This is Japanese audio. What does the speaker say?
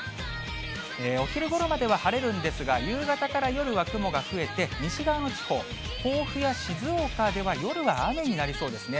お昼ごろまでは晴れるんですが、夕方から夜は雲が増えて、西側の地方、甲府や静岡では、夜は雨になりそうですね。